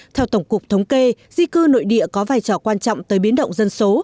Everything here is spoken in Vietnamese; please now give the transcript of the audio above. theo tổng cục thống kê di cư nội địa có vai trò quan trọng tới biến động dân số